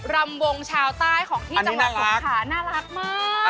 ลำบงชาวใต้ของที่จังหวัดเหมาะ